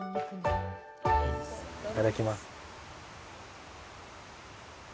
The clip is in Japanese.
いただきます。